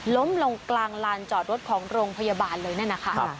ล้มลงกลางลานจอดรถของโรงพยาบาลเลยนั่นนะคะ